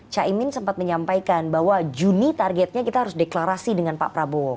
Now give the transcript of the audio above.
caimin sempat menyampaikan bahwa juni targetnya kita harus deklarasi dengan pak prabowo